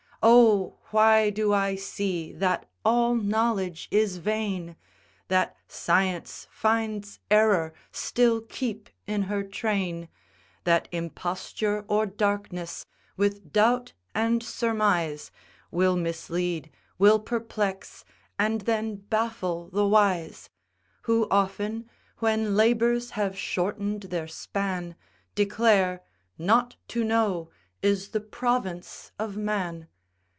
Oh! why do I see that all knowledge is vain; That Science finds Error still keep in her train; That Imposture or Darkness, with Doubt and Surmise, Will mislead, will perplex, and then baffle the wise, Who often, when labours have shorten'd their span, Declare not to know is the province of man?